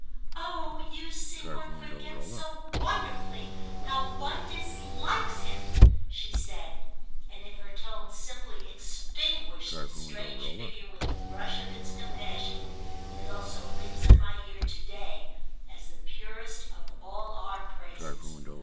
"Oh you see one forgets so wonderfully how one dislikes him!" she said; and if her tone simply extinguished his strange figure with the brush of its compassion, it also rings in my ear to day as the purest of all our praises.